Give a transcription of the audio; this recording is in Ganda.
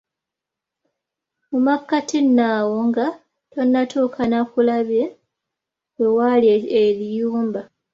Mu makkati nno awo nga tonnatuuka Naakulabye we wali Eriyumba!